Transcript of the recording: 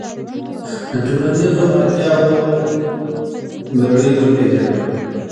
د ټولنیزو اړتیاوو لړۍ وپیژنه.